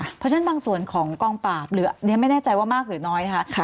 เพราะฉะนั้นบางส่วนของกองปราบหรือเรียนไม่แน่ใจว่ามากหรือน้อยนะคะ